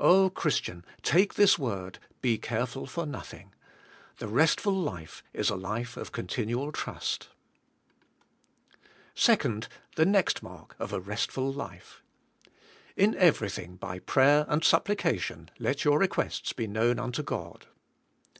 Oh Christian, take this word, *' Be careful for nothing." The restful life is a life of continual trust. 3. The next mark of a restful life. *'In every 236 THE SPIRITUAI, LIFE. thing' by prayer and supplication let your requests be known unto God."